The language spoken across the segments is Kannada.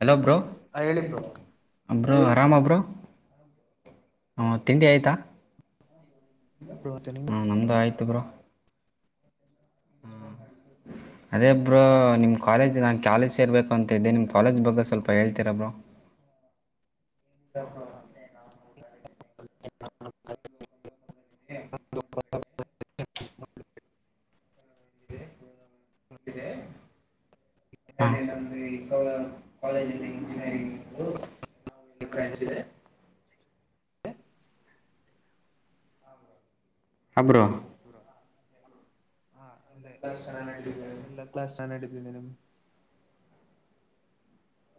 ಹಲೋ ಬ್ರೋ ಹ ಹೇಳಿ ಬ್ರೋ ಅ ಬ್ರೊ ಆರಾಮ ಬ್ರೊ ಹಾ ತಿಂಡಿ ಆಯಿತಾ ಬ್ರೋ ಮತ್ತೆ ನಿಮ್ದು ಹಾ ನಮ್ದ್ ಆಯ್ತ್ ತ್ ಬ್ರೋ ಹ ಅದೇ ಬ್ರೊ ನಿಮ್ ಕಾಲೇಜ್ ನಾನು ಕಾಲೇಜ್ ಸೇರ್ಬೇಕು ಅಂತ ಇದ್ದೆ ನಿಮ್ಮ ಕಾಲೇಜ್ ಬಗ್ಗೆ ಸ್ವಲ್ಪ ಹೇಳ್ತೀರ ಬ್ರೋ ಹೆ ನಾನ [unintelligible] ಹ ಹ ನಮ್ದ ಕಾಲೇಜಲ್ಲಿ ಇಂಜಿನಿಯರಿಂಗ್ ಇ ಗ್ರಹಿಸಿದೆ ಅಬ್ರರೋ ಹ ಅದೇ ಲ್ಲ ಸ್ಥಾನಾನ ಎಂದ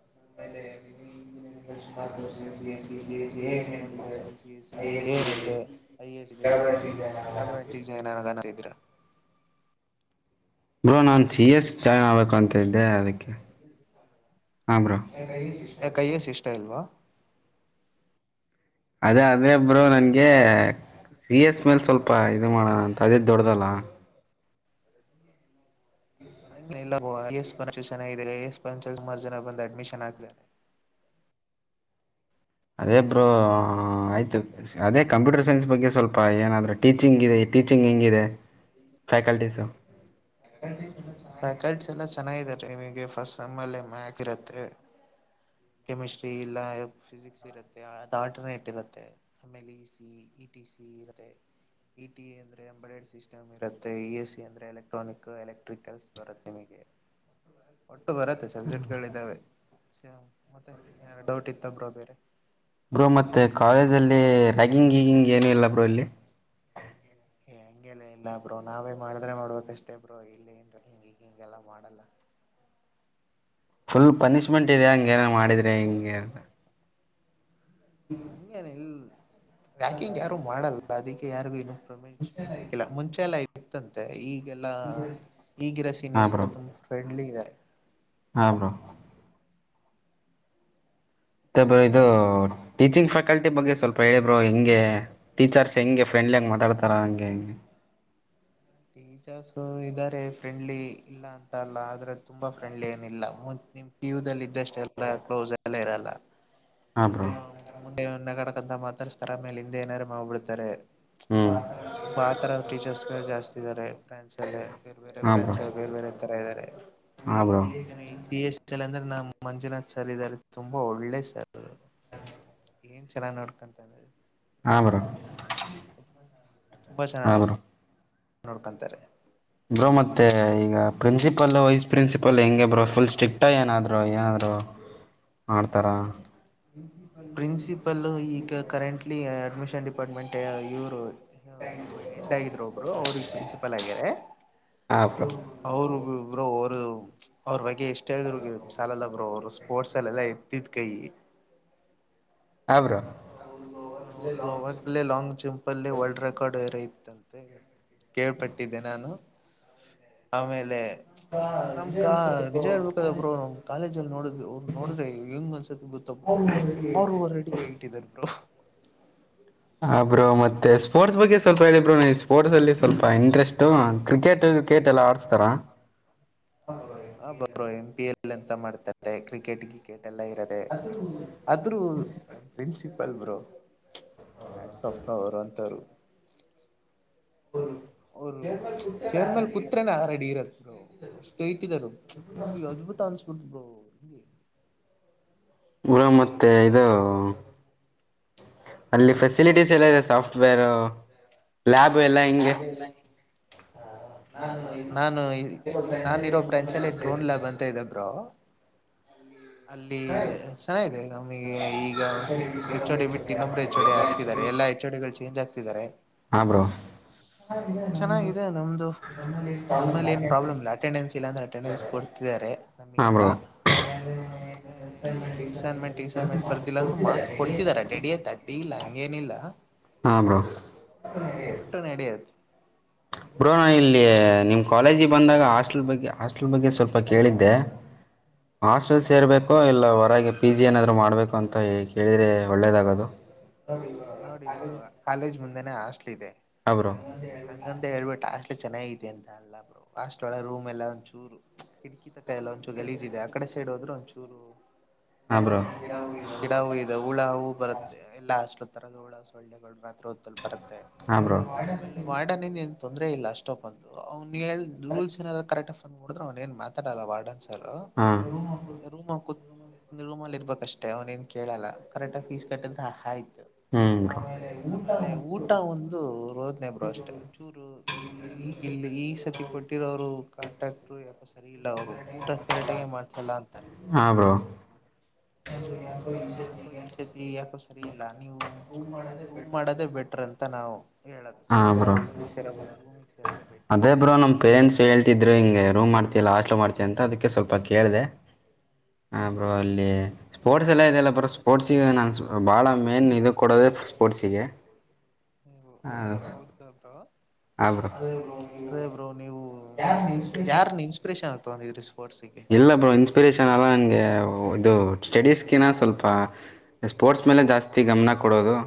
[inaudible] ಸುಮಾರು ಕೋ [inaudible] ಬ್ರೋ ನನ್ಸ ಎಸ್ ಚೈನಾ ಬೇಕಂತ [unintelligible] ನಿಂದ್ ಯದಕ್ಕೆ [unintelligible] ಹಾಮ್ರ [inaudible] ಯ ಕೈಯಸ್ ಇಷ್ಟ ಇಲ್ವಾ ಅದೇ ಅದೇ ಒಬ್ರು ನನ್ಗೆ ಸಿ ಎಸ್ ಮೇಲ್ ಸ್ವಲ್ಪ ಇದು ಮಾಡೋಣ ಅಂತ ಅದೇ ದೊಡ್ಡ್ದಲ್ಲ ಹ ಇಲ್ಲಸ್ ಪಂ ಜನ ಎಸ್ ಪಂಚ್ ಕುಮಾರ್ ಜನ ಬಂದ ಅಡ್ಮಿಶನ್ ಹಾದ್ದಾರೆ ಅದೇಬ್ರು ಆಯ್ತು ಅದೇ ಕಂಪ್ಯೂಟರ್ ಸೈನ್ಸ್ ಬಗ್ಗೆ ಸ್ವಲ್ಪ ಪಾಏನ್ರೆ ಟಚಿಂಗ ಇದೆ ಟೀಚಿಂಗ್ ಹೆಂಗಿದೆ ಹ [inaudible] ಫ್ಯಾಕಲ್ಟೀ ಸ [inaudible] ಫ್ಯಾಕಲ್ಟೀಸ್ ಎಲ್ಲ ಚೆನ್ನಾಗಿದೆ ಫಸ್ಟ್ ಮ್ಯಾಥ ಇರುತ್ತೆ ಕೆಮಿಸ್ಟ್ರಿ ಇಲ್ಲ ಫಿಸಿಕ್ಸ್ ಇರುತ್ತೆ ಅದು ಆಲ್ಟರ್ನೇಟ್ ಇರುತ್ತೆ ಆಲೆ E C E T C ಇರುತ್ತೆ ಇ ಟಿ ಎ ಅಂದ್ರೆ ಅಂಬಡ್ ಸಿಸ್ಟಮ್ ಇರುತ್ತೆ ಇ ಎಸ್ ಸಿ ಅಂದ್ರೆ ಎಲೆಕ್ಟ್ರಾನಿಕ್ ಎಲೆಕ್ಟ್ರಿಕಲ್ಸ್ ತಮಗೆ ಒ ಬರತ್ತೆ ಸಬ್ಜೆಕ್ಟ್ಗಳಿದ್ದಾವೆ ಸೇ ಮತ್ತೆ ಏನಾದ ಡೌಟ್ ಇತ್ತಬೃ ಬ್ರೋ ಮತ್ತೆ ಕಾಲೇಜ ಅಲ್ಲಿ ರ್ಯಾಗಿಂಗ್ ಗೀಗಿಂಗ್ ಏನು ಇಲ್ಲ ಬ್ರೋ ಇಲ್ಲಿ ಏ ಹಂಗೆಲ್ಲ ಇಲ್ಲ ಬ್ರೋ ನಾವೇ ಮಾಡಿದ್ರೆ ಮಾಡ್ಬೇಕಷ್ಟೇ ಬ್ರೋ ಇಲ್ಲಿ ಏನ್ ಈಗ ಹಿಂಗೆಲ್ಲ ಮಾಡಲ್ಲ ಫುಲ್ ಪನಿಶ್ಮೆಂಟ್ ಇದಾ ಹಂಗ ಏನ ಮಾಡಿದ್ರೆ ಹಿಂಗೆ ಹಂನೆ ಇಲ್ [inaudible] ಹ್ಯಾಕಿಂಗ್ ಯಾರು ಮಾಡಲ್ಲ ಅದಕ್ಕೆ ಕಯಾರವಿನ ಪನಿಶ್ಮೆಂಟ್ ಸಿಕ್ಕಿಲ್ಲ ಮುಂಚೆ ಸಿತಂತೆ ಈ ಎಲ್ಲಾ ಈಗಿರ ಸೀನಿಯರ್ಸ್ ಎಲ್ಲ ತುಂಬಾ ಫ್ರೆಂಡ್ಲಿ ಇದಾರೆ. ಹಾ ಬ್ರೋ ಇದು ಟೀಚಿಂಗ್ ಫ್ಯಾಕಲ್ಟಿ. ಫ್ಯಾಕಲ್ಟಿ ಬಗ್ಗೆ ಸ್ವಲ್ಪ ಹೇಳಿಬ್ರೋ ಹೆಂಗೆ. ಟೀಚರ್ಸ್. ಹಂಗೆ ಫ್ರೆಂಡ್ಲಿ ಹಾಗೆ ಮಾತಾಡ್ತಾರೆ ಹಂಗೆ ಹಿಂಗೆ. ಟೀಚರ್ಸ್ ಇದ್ದಾರೆ ಫ್ರೆಂಡ್ಲಿ ಇಲ್ಲ ಅಂತ ಅಲ್ಲ ಆದ್ರೆ ತುಂಬಾ ಫ್ರೆಂಡ್ಲಿ ಏನಿಲ್ಲ ನಿಮ್ ಪಿಯು ದಲ್ಲಿ ಇದ್ದಷ್ಟು. ಎಲ್ಲ ಕ್ಲೋಸ್ ಎಲ್ಲೇ ಇರಲ್ಲ. ಹಾಂ ಬ್ರೋ ಹ ಹ ಮುಂದೆೆ ಏನ್ ಬೇಕು ಅಂತ ಮಾತಾಡಿಸ್ತಾರೆ ಆಮೇಲೆ ಹಿಂದೆ ಏನಾರ ಮಾಡಿಬಿಡ್ತಾರೆ. ಹ್ಞೂ ಆತರ. ಟೀಚರ್ಸ್ಗಳು ಜಾಸ್ತಿ ಇದ್ದಾರೆ ಫ್ರೆಂಡ್ಸ್ ಅಲ್ಲಿ. ಬೇರೆ ಬೇರೆ ಹಾಂ ಬ್ರೋ ಬ್ರಾಂಚ್ ಬೇರೆ ಬೇರೆ ತರ ಇದ್ದಾರೆ ಹಾಂ ಬ್ರೋ ನಿಮಗೆ ಸಿ ಎಸ್. ಅಂದ್ರೆ ನಮ್ಮ್ ಮಂಜುನಾಥ್ ಸರ್ ಇದಾರೆ ತುಂಬಾ ಒಳ್ಳೆ ಸರ್. [unintelligible] ಏನ್ ಚೆನ್ನಾಗಿ ನೋಡ್ಕೋತಾರೆ ಅಂದ್ರೆ. ಹಾ ಬ್ರೋ. ತುಂಬಾ ಚೆನ್ನಾಗಿ. ಹಾಂ ಬ್ರೋ ನೋಡ್ಕೊಂತಾರೆ. ಬ್ರೋ ಮತ್ತೆ. ಈಗ ಪ್ರಿನ್ಸಿಪಾಲ್ ವೈಸ್ ಪ್ರಿನ್ಸಪಲ್ ಹೆಂಗೆ ಬ್ರೋ ಫಲ್ ಸ್ಟಿಕ್ ಏನಾದದು. ಬ್ರೋ ಏನಾದ್ರು. ಮಾಡ್ತಾರ ಪ್ರನ್ಸಿಪಾಲ್ [unintelligible] ಇ ಅಡ್ಮಿಷನ್ ಡಿಪಾರ್ಟ್ಮೆಂಟ್ ಇವರು. ಹೆಡ್ ಆಗಿದ್ರು ಒಬ್ರು ಅವ್ರಿಗೆ ಪ್ರಿನ್ಸಿಪಲ್ ಆಗಾರೆ ಹಾ ಬ್ರೋ ಅವರು ಒಬ್ರು. ಅವರು ವೈಫ್ ಎಷ್ಟ್ರು ಹೇಳಿದ್ರು ಸಾಲಲ್ಲ ಬೋ ಅವರು. ಸ್ಪೋರ್ಟ್ ಅಲ್ಲಿ ಎಲ್ಲಾ ಎತ್ತಿದ ಕೈ. ಹ ಬ್ರೋ ಅವ್ರದ್ದು ಅವಾಗಲೇ ಲಾಂಗ್ ಜಂಪ್ ಅಲ್ಲಿ ವರ್ಡ್ ರೆಕಾರ್ಡ್ ಏರೈತಿ. ಅಂತೆ ಕೇಳ್ಪಟ್ಟಿದ್ದೆ ನಾನು ಆಮೇಲೆ. ನಮ್ ನಿಜ ಹೇಳ್ಬೇಕದ ಬ್ರೋ ನಮ್ ಕಾಲೇಜಲ್ಲಿ ನೋಡಿದ್ ಅವ್ರು ನೋಡ್ರೆ ಹೆಂಗ್ ಅನ್ನಿಸುತ್ತೆ ಗೊತ್ತ ಬ್ರೋ ಆರುವರೆ ಹೇಟ್ ಇಟ್ಟಿದಾರೇ ಬ್ರೋ. ಹಾ ಬ್ರೋ ಮತ್ತೆ ಸ್ಪೋರ್ಟ್ಸ್ ಬಗ್ಗೆ ಸ್ವಲ್ಪ ಹೇಳಿ ಬ್ರೋ ಸ್ಪೋರ್ಟ್ಸಲ್ಲಿ ಸ್ವಲ್ಪ ಇಂಟ್ರೆಸ್ಟು ಕ್ರಿಕೆಟ್ ಕ್ರಿಕೆಟ್ ಎಲ್ಲಾ ಆಡಿಸ್ತಾರ ಹ ಬರೋ ಎಂ ಪಿ ಎಲ್ ಅಂತ ಮಾಡ್ತಾರೆ ಕ್ರಿಕೆಟ್ ಕ್ರಿಕೆಟ್ ಎಲ್ಲಾ ಇರದೆ ಆದ್ರೂ ನ ಪ್ರಿನ್ಸಿ ಬ್ರೋ ಹಾಟ್ಸ್ ಆಫ್ ಅವರು ಅಂತವರು ಅವರು ಚೇರ್ ಮೇಲ್ ಕುತ್ರೆೇನೆ ಆ ರಡಿ ಇರತ್ ಬ್ರೊ ಅಷ್ಟ್ ಅವ್ರು ಅದ್ಭುತ ಅನ್ನಿಸಿಬಿಟ್ಟಿತು ಬ್ರೋ [inaudible] ಇರ ಮತ್ತೆ ಇದು ಅಲ್ಲಿ ಫೇಸ್ ಲಿಟ ಎಲ್ಲ ಇದೆ ಸಾಫ್ಟ್ ವೇರ್ ಲ್ಯಾಬ್ ಎಲ್ಲ ಹೆಂಗೆ ನಾನು ನಾನು ಇರೋ ಬ್ರಾಂಚಲ್ಲಿ ಡ್ರೋನ್ [unintelligible] ಲ್ಯಾಬ್ ಅಂತ ಇದೆ ಬ್ರೋ ಅಲ್ಲಿ ಚೆನ್ನಾಗಿದೆ ನಮಿಗೆ ಈಗ ಹೆಚ್ ಓಡಿ ಬಿಟ್ ಇನ್ನೊಬ್ರು ಹೆಚ್ ಓಡಿ ಆಗ್ತಿದ್ದಾರೆ ಎಲ್ಲಾ ಹೆಚ್ ಒಡಿಗಳು ಚೇಂಜ್ ಆಗ್ತಿದ್ದಾರೆ ಹಾ ಬ್ರೋ ಚೆನ್ನಾಗಿದೆ ನಮ್ದು ನಮ್ಮಲ್ಲಿ ಏನ್ ಪ್ರಾಬ್ಲಮ್ ಇಲ್ಲ ಅಟೆಂಡೆನ್ಸ್ ಇಲ್ಲಾಂದ್ರೆ ಅಟೆಂಡನ್ಸ್ ಕೊಡ್ತಿದ್ದಾರೆ ಹಾ ನಮಿಗೆಲ್ಲ ಬ್ರೋ ಆಮೇಲೆ ಏನ್ ಅಸೈನ್ಮೆಂಟ್ ಎಸೈನ್ಮೆಂಟ್ ಬರ್ದಿಲ್ಲ ಅಂದ್ರು ಮಾರ್ಕ್ಸ್ ಕೊಡ್ತಿದಾರೆ ಡಡಿಯತ್ ಅಡ್ಡಿ ಇಲ್ಲ ಹಂಗೇನಿಲ್ಲ ಹಾ ಬ್ರೋ ಒಟ್ಟನ ಅಡೆಯದು ಬ್ರೋ ನಾನ್ ಇಲ್ಲಿ ನಿಮ್ ಕಾಲೇಜಿಗ್ ಬಂದಾಗ ಹಾಸ್ಟೆಲ್ ಬಗ್ಗೆ ಹಾಸ್ಟೆಲ್ ಬಗ್ಗೆ ಸ್ವಲ್ಪ ಕೇಳಿದ್ದೆ ಹಾಸ್ಟೆಲ್ ಹ್ಮ್ ಸೇರ್ಬೇಕೋ ಇಲ್ಲ ಹೊರಗೆ ಪಿ ಜಿ ಏನಾದ್ರು ಮಾಡ್ಬೇಕು ಅಂತ ಕೇಳಿದ್ರೆ ಒಳ್ಳೇದಾಗದು ತಿದೆ ಅಂಗಂತ ಹೇಳ್ಬಿಟ್ ಹಾಸ್ಟೆಲ್ ಚೆನ್ನಾಗಿದೆ ಅಂತ ಅಲ್ಲ ಬ್ರೊ ಹಾಸ್ಟೆಲ್ ವಳ ರೂಮ್ ಎಲ್ಲ ಒಂದ ಚೂರು ಕಿಟಕಿ ತ ಎಲ್ಲ ಒಂಚೂರ್ ಗಲೀಜ್ ಇದೆ ಹದ್ರ ಅಂಚೂರು ಹಾಂ ಬ್ರೋ ಹ ಗಿಡ ಹೂ ಇದೆ ಹುಳ ಹವು ಬರುತ್ತೆ ಎಲ್ಲಾ ಹಾಸ್ಟೆಲ್ ತರಗ ಹುಳ ಸೊಳ್ಳೆಗಳು ರಾತ್ ಬರುತ್ತೆ ಹಾಂ ಬ್ರೋ ಆಮೇಲೆ ವಾರ್ಡ ನಿ ಎ [unintelligible] ತೊಂದ್ರರೆ ಇಲ್ಲ ಅಷ್ಟೊಪ್ ಅಂತ ಅವನು ನಿ ಹೇಳ್ ರೂಲ್ಸ್ ಏನಾದರು ಕರೆಕ್ಟ್ ನೋಡ್ರ್ ಅವನ್ ಏನ್ ಮಾತಾಡಲ್ಲ ವಾರ್ಡನ್ಸರ್ ಹಾಂ ರೂಮ ಕುದ್ ರೂಮಲ್ಲಿ ಇರ್ಬೇಕಷ್ಟೇ ಅವ್ನ ಏನ್ ಕೇಳಲ್ಲ ಕರೆಕ್ಟ ಫೀಸ್ ಕಟ್ಟಿದ್ರ ಹಾಯೇ. ಹ್ಞೂ ಬ್ರೋ ಆಮೇಲೆ ಊಟ ಒಂದು ರೋದ್ನೆ ಬ್ರೊ ಅಷ್ಟೆ ಚೂರು ಇಲ್ಲಿ ಈ ಸತಿ ಕೊಟ್ಟಿರೋರು ಕಾಂಟ್ರಾಕ್ಟ್ರು ಯಾಕೋ ಸರಿ ಇಲ್ಲ ಅವ್ರು ಊಟ ಕರೆಕ್ಟಗ ಮಾಡ ಚಲ್ಲ ಅಂತಾರೆ. ಹಾಂ ಬ್ರೋ ಅದು ಯಾಕೋ ಈ ಸತಿ ಯಾಕೋ ಸರಿ ಇಲ್ಲ ನೀವು. ರೂಂಮ್ ಮಾಡದೇ ಬೆಟ್ರ ಅಂತ ನಾವು. ಹೇಳೋದು ಹಾ ಬ್ರೋ ಹಾಸ್ಟ್ಲಿಗೆ ಸೇರೋ ಬದಲು ರೂಮಿಗೆ ಸೇರೋದೇ ಬೆಟ್ರು ಅದೇ ಅಂತ ಬ್ರೋ ನಮ್ ಪೇರೆಂಟ್ಸ್ ಹೇಳ್ತಿದ್ರು ಹಿಂಗೆ ರೂಮ್ ಮಾಡ್ತಿಲ್ಲ ಹಾಸ್ಟೆಲು ಮಾಡ್ತ ಅಂತ ಅದಕ್ಕೆ ಸ್ವಲ್ಪ ಕೇಳಿದೆ. ಹಾ ಬ್ರೊ ಹ್ಮ್ ಅಲ್ಲಿ ಸ್ಪೋರ್ಟ್ಸ್ ಎಲ್ಲ ಇದೆಯಲ್ಲ ಬ್ರೊ ಸ್ಪೋರ್ಟ್ಸಿಗೆ ನಾನು ಬಹಳ ಮೇನ್ ಇದು ಕೊಡೋದೇ ಸ್ಪೋರ್ಟ್ಸಿಗೆ. ಹೌದ ಬ್ರೋ. ಹಾ ಬ್ರೋ. ಯಾರ್ ನಿನ್ ಇನ್ಸ್ಪ್ರೆಷನ್. [unintelligible] ಇಲ್ಲ ಬ್ರೋ ಇನ್ಸ್ಪಿರೇಷನ್. [unintelligible] ನನ್ಗೆ ಇದು ಸ್ಟಡೀಸ್. ಕಿನ ಸ್ವಲ್ಪ ಸ್ಪೋರ್ಟ್ಸ್ ಮೇಲೆ ಜಾಸ್ತಿ ಗಮನ ಕೊಡೋದು.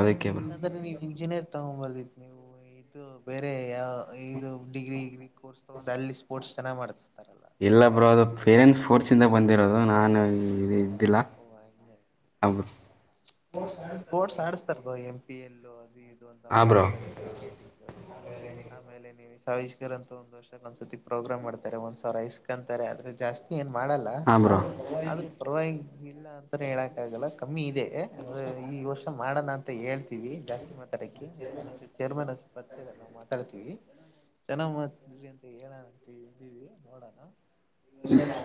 ಅದಕ್ಕೆ ಬ್ರೋ ಹಂಗಂದ್ರೆ ನೀವು ಇಂಜಿನಿಯರ್ ತೊಗೊಬಹುದಿತು. ಬೇರೆ ಯಾವ್. ಇದು ಡಿಗ್ರಿ ಗ್ರಿಕೋರ್ಸ್ ತಕೊಂದು ಅಲ್ಲಿ ಸ್ಪೋರ್ಟ್ಸ್. ಚೆನ್ನ ಮಾಡತ್. ಇಲ್ಲ ಬ್ರೋ ಅದು ಪೇರೆಂಟ್ಸ್ ಫೋರ್ಸ್ ಇಂದ ಬಂದಿರೋದು ನಾನು. ಈ ಇದೇನ್. ತಿಲ್ಲ ಓ ಹಂಗೆ [unintelligible] ಸ್ಪೋರ್ಟ್ಸ್ ಅಡ್ಸ್ತಾರೆ ಬ್ರೋ. ಪಿ ಎಲ್ ಒ ಅದಿದ್. ಇದು ಅಂತ ಹಾ ಬ್ರೋ ಮಾಡ್ತಾರೆ ಕ್ರಿಕೆಟ್ ಇದು ಅಮೇಲೆ. ಸವಿಸ್ಕರ್ ಅಂತ ಒಂದ್ ವರ್ಷಕ್ ಒಂದ್ಸತಿ ಪ್ರೋಗ್ರಾಮ್ ಮಾಡ್ತಾರೆ ಒಂದ್ ಸಿರ ಐಸ್ಕಂತಾರೆ ಆದ್ರೆ ಜಾಸ್ತಿ ಎನ್. ಮಾಡಲ್ಲ ಹಾ ಬ್ರೋ ಆದ್ರೂ ಪರವಾಗಿಲ್ಲ ಅಂತಾನೆ ಹೇಳಕ ಆಗಲ್ಲ ಕಮ್ಮಿ ಇದೆ. ಮಾಡೋಣ ಅಂತ ಹೇಳ್ತೀವಿ ಜಾಸ್ತಿ ಮತ್ತ. [unintelligible] ಚೇರ್ಮನ್. ನಾ ಮಾತಾಡ್ತೀವಿ ಚೆನ್ನಾಗ್ ಮಾತ್ ಅಂತ ಹೇಳ ಇದೀವಿ ನೋಡೋಣ.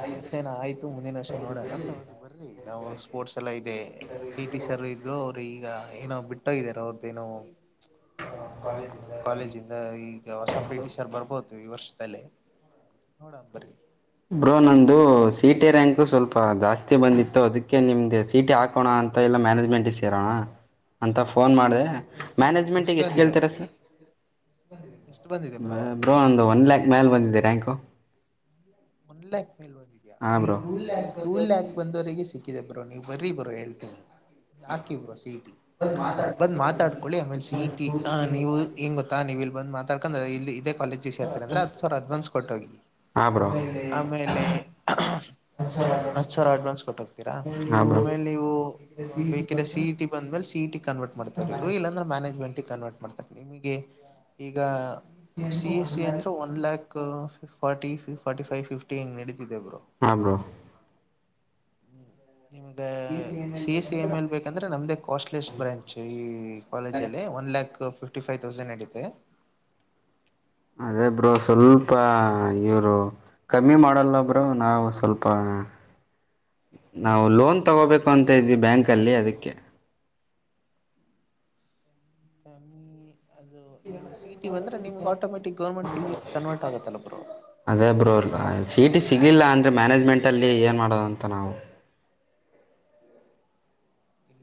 ಈ ವರ್ಷ ಏನ ಆಯ್ತು ಮುಂದಿನ ವರ್ಷ ನೋಡೋಣ ಬರ್ರಿ ನಾವು ಸ್ಪೋರ್ಟ್ಸ್ ಎಲ್ಲಾ ಇವೇ ಪಿಟಿ ಸರ್. ಬ್ರೋ ಅವ್ರು ಈಗ ಏನೋ ಬಿಟ್ಜೋಗಿದರೆ ಅವರ ದೇನೋ ಹ ಕಾಲೇಜಿಂದ ಈಗ ಹೊಸ ಪೀಟಿ ಸರ್ ಬರ್ಬೋದು ಈ ವರ್ಷ ದಲೆ ನೋಡ ಬರಿ ಬ್ರೋ ನಂದು ಸಿಟಿ ರ್ಯಾಂಕ್ ಸ್ವಲ್ಪ ಜಾಸ್ತಿ ಬಂದಿತ್ತು ಅದಕ್ಕೆ ನಿಮ್ದು ಸೀಟಿ ಹಾಕ ಕೋಣ ಅಂತ ಎಲ್ಲ ಮ್ಯಾನೇಜ್ಮೆಂಟಿಗೆ ಸೇರೋಣ ಅಂತ ಫೋನ್ ಮಾಡದೆ. ಎಷ್ಟು ಮ್ಯಾನೇಜ್ಮೆಂಟೀಗ ಎಷ್ಟ ಬಂದಿದೆ ಕೇಳ್ತೀರ್ ಸರ್ ಎಷ್ಟು ಬಂದಿದೆ ಬ್ರ ಬ್ರೋ ಒಂದ ಒನ್ ಲ್ಯಾಕ್ ಮ್ಯಾಲ ಬಂದಿದೆ ರ್ಯಾಂಕು ಒನ್ಲ್ಯಾಕ್ ಹಾ ಬ್ರೋ ಗಿದೆ ಬ್ರೋ ನೀವು ಬರೀ ಬ್ರೋ ಹೇಳ್ತೀನಿ ಹಾಕಿ ಬ್ರೋ ಸಿಇಟಿ ಬಂದ್ ಮಾತಾಡ್ಕೊಳ್ಳಿ ಆಮೇಲೆ ಸಇಟಿ ಅ ನೀವು ಏನ್ ಗೊತ್ತಾ ನೀವು ಇಲ್ ಬಂದ್ ಮಾತ ಯಾಕಂದ್ರ ಇಲ್ಲಿ ಇದ ಕಾಲೇಜಿಗ ಸೇರ್ತಿರ ಅಂದ್ರ ಹತ್ತಸವ್ರ ಅಡ್ವಾನ್ಸ ಕೊಟ್ಟೋಗಿ ಹಾ ಬ್ರೋ ಆಮೇಲೆ ಹತ್ ಸಾವಿರ ಅಡ್ವಾನ್ಸ್ ಕೊಟ್ಟೋಗ್ತೀರಾ ಆಮೇಲೆ ಇವು ಬೇಕರೆೆ ಸಿ ಇ ಟಿ ಬಂದ್ಮೇಲೆ ಸಿಇ ಟಿ ಕನ್ವರ್ಟ್ ಮಾಡ್ತಾರೆ ಇವರು ಇಲ್ಲಾಂದ್ರೆ ಮ್ಯಾನೇಜ್ಮೆಂಟೀಗ ಕನ್ವರ್ಟ್ ಮಾಡ್ತರ ನಿಮಗೆ ಈಗ ಸಿ ಎ ಸಿ ಅಂದ್ರ one lakh forty ಫಿಫ್ forty five fifty ಹಿಂಗ ನಡಿತ ತಿದೆ ಬ್ರೋ ಹಾ ಬ್ರೋ ಹ್ಮ್ ನಿಮ್ಗೆ ಸಿ ಎಸ್ ಸಿ ಎ ಮೇಲ್ ಬೇಕಂದ್ರೆ ನಮ್ದೇ ಕಾಸ್ಟ್ಲಿಸ್ಟ್ ಬ್ರ್ಯಾಂಚ್ ಈ ಕಾಲೇಜ ಅಲ್ಲಿ one lakh fifty five thousand ನಡೀತೆ ಅದೇಬ್ರು ಸ್ವಲ್ಪ ಇವ್ರು ಕಮ್ಮಿ ಮಾಡಲ್ಲಬ್ರು ನಾವು ಸ್ವಲ್ಪ ನಾವು ಲೋನ್ ತಗೋಬೇಕು ಅಂತ ಇದ್ವಿ ಬ್ಯಾಂಕ್ ಅಲ್ಲಿ ಅದಕ್ಕೆ ಕಮ್ಮಿ ಅದು ನೀವು ಸಿಇಟಿ ಬಂದ್ರ ನಿಮ್ಗ ಆಟೋಮೆಟಿಕ್ ಗೌರ್ಮೆಂಟ್ ಫೀಸಿಗ ಕನ್ವರ್ಟ್ ಆಗತ್ತಲ್ಲ ಬ್ರೋ ಸಿಇಟಿ ಸಿ ಸಿಗ್ಲಿಲ್ಲ ಅಂದ್ರೆ ಮ್ಯಾನೇಜ್ಮೆಂಟ್ ಅಲ್ಲಿ ಏನ್ ಮಾಡೋದ ತನವು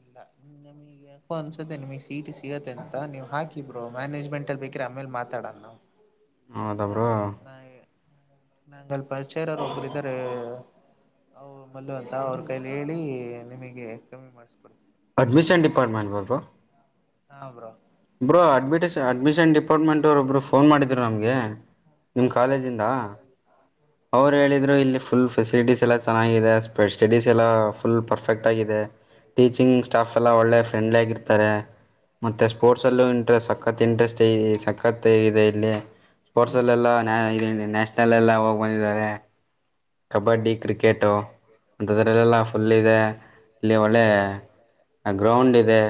ಇಲ್ಲ ನಮ್ಗೆ ಯಾಕೋ ಅನ್ಸುತ್ತೆ [inaudible] ಚೀಟಿ ಸಿಗುತ್ತ ಅಂತ ನೀವು ಹಾಕಿಬಟ್ಟ. ಮ್ಯಾನೇಜ್ಮೆಂಟ್ ಅಲ್ಲಿ ಬೇಕ್ರೆ ಆಮೇಲೆ ಮಾತಾಡಣ ನಾವು. ಹೌದ. ಹಾ ಬ್ರೋ ಮಂಗಲ್ [unintelligible] ಪರಿಚಯ ಇರಾವರ ಒಬ್ರು ಇದ್ದಾರೆ. ಹೌ. ಮಲ್ಲು ಅಂತ ಅವ್ರ ಕೈಲಿ ಹೇಳಿ. ನಿಮಗೆ ಕಮ್ಮಿ ಮಾಡಸ್ತೇನ್. ಅಡ್ಮಿಷನ್ ಡಿಪಾರ್ಟ್ಮೆಂಟ್ [inaudible] ಹ ಬ್ರೋ [unintelligible] ಬ್ರೋ ಅಡ್ಮಿಟೆಸಷ ಅಡ್ಮಿಷನ್ ಡಿಪಾರ್ಟ್ಮೆಂಟ್ವಯಬ್ರು ಫೋನ್ ಮಾಡಿದ್ರು ನಮಗೆ ನಿಮ್ಮ ಹಾ ಕಾಲೇಜಿಂದ. ಅವ್ರು ಹಾ ಹೇಳಿದ್ರು ಇಲ್ಲಿ ಬ್ರೋ ಫುಲ್ ಫೆಸಿಲಿಟೀಸ್ ಎಲ್ಲ ಚೆನ್ನಾಗಿದೆ ಸ್ಟಡೀಸ್ ಎಲ್ಲ. ಫುಲ್ ಪರ್ಫೆಕ್ಟ್ ಆಗಿದೆ ಟೀಚಿಂಗ್ ಸ್ಟಾಫ್ ಎಲ್ಲ ಒಳ್ಳೆ ಫ್ರೆಂಡ್ಲಿ ಆಗಿರ್ತಾರೆ ಮತ್ತೆ ಸ್ಪೋರ್ಟ್ಸ್ ಅಲ್ಲು ಇಂಟ್ರೆಸ್ಟ್ ಸಕ್ಕತ್ ಇಂಟ್ರೆಸ್ಟ್ ಸಖತ್ ಇದೆ ಇಲ್ಲಿ ಸ್ಪೋರ್ಟ್ಸ್ ಎಲ್ಲಾ ನ್ಯಾಷನಲ್ ಎಲ್ಲೋಗ. ಬಂದಿದ್ದಾರೆ. ಕಬಡ್ಡಿ ಕ್ರಿಕೆಟು ಅಂಥದ್ರಲ್ಲೆಲ್ಲ ಫುಲ್ಲ ಇದೆ ಇಲ್ಲಿ ಒಳ್ಳೆ ಗ್ರೌಂಡ್ ಇದೆ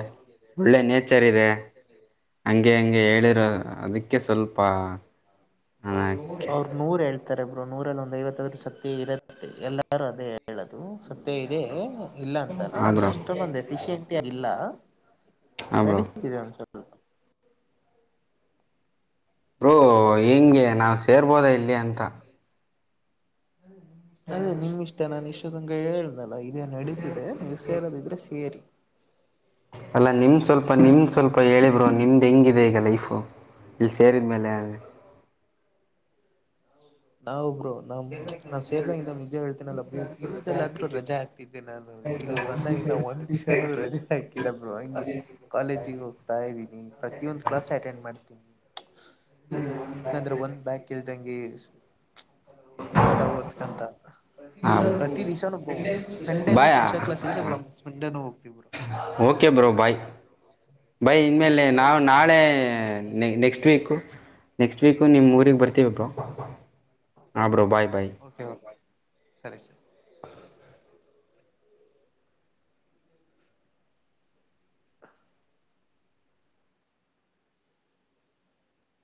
ಒಳ್ಳೆ ನೇಚರ್ ಇದೆ ಹಂಗೆ ಹಂಗೆ ಹೇಳಿರೋ ಅದಕ್ಕೆ ಸ್ವಲ್ಪಕ. ಅವ್ರು ನೂರ್ ಹೇಳ್ತಾರೆ ನೂರಲ್ಲಿ ಒಂದು ಐವತ್ತದು ಸಕ್ತಿಯ ಇರುತ್ತೆ. ಮತ್ತೆ ಎಲ್ಲಾರೂ ಅದೇ ಹೇಳದು. ಸತ್ಯ ಇದೆ ಇಲ್ಲ ಅಂತಲ್ಲ ಹಾಂ ಆದ್ರೆ ಬ್ರೋ ಅಷ್ಟೊಂದ ಎಫಿಶಿಯಂಟಿ ಆಗಲ್ಲ. ಹಾಂ ಬ್ರೋ ನಡೀತ್ತಿದೆ ಒಂದ ಸ್ವಲ್ಪ. ಬ್ರೋ ಹಿಂಗೆ ನಾವು ಸೇರ್ಬೋದ ಇಲ್ಲಿ ಅಂತ. ಅದೇ ನಿಮ್ ಇಷ್ಟ ನನ ಇಷ್ಟ. ಚದಗೆ [unintelligible] ಇಲ್ಲ ಇದೇ ನಡೀತಿದೆ ನೀವು ಸೇರೋದಿದ್ರೆ ಸೇರಿ. ಅಲ್ಲಾ ನಿಮ್ ಸ್ವಲ್ಪ ನಿಮ್ ಸ್ವಲ್ಪ ಹೇಳಿ ಬ್ರೋ ನಿಮ್ದ್ ಹೆಂಗ. ಹೇಗಿದೆ ಈಗ ಲೈಫು ಇಲ್ಲಿ ಸೇರಿದ ಮೇಲೆ. ನಾವು ಬ್ರೋ ನಮ ನಾನ್ ಸೇರ್ದಾಗ ಇನ್ನ ನಿಜ ಹೇಳ್ತೇನಲ್ಲ ಪಿಯು ದಲ್ಲಿರದ್ರು ರಜೆ ಹಾಕತ್ತಿದ್ದೆ ನಾನು ಇಲ್ ಬಂದಾಗ ಇನ್ನ ಒಂದ್ ದಿವ್ಸನೂ ರಜೆ ಹಾಕಿಲ್ಲ ಬ್ರೋ ಹಂಗೆ ಕಾಲೇಜಿಗೆ ಹೋಗ್ತಾ ಇದ್ದೀನಿ ಪ್ರತಿಯೊಂದ್ ಕ್ಲಾಸ್ ಅಟೆಂಡ್ ಮಾಡ್ತೀನಿ. ಹಿಂಗಂದ್ರೆ ಒಂದ್ ಬ್ಯಾಕ್ ಇಲ್ದಂಗಿ. ಸಕ್ಕತ್ತಾಗಿ ಹೊಯ್ತತದೇ ಅಂತ ಹಾಂ ಪ್ರತಿ ದಿವ್ಸ ಸಂಡೇ ನು ಬಾಯಾ ಸ್ಪೆಷಲ್ ಕ್ಲಾಸ್ [inaudible] ಸಂಡೇನೂ. ತೀವ್ ಬ್ರೋ ಓಕೆ ಬ್ರೋ ಬಾಯ್ ಭಾಯ್ ಹ್ಮ್ ಸರಿ ಇನ್ಮೇಲೆ ಸರಿ ನಾವು ನಾಳೆ ನೆಕ್ಸ್ಟ್ ವೀಕು ನೆಕ್ಸ್ಟ್ ವೀಕು ನಿಮ್ಮೂರಿಗ್ ಬರ್ತೀವಿ ಬ್ರೋ ಹಾ bro bye bye okay okay ಸರಿ ಸರ್ [inaudible]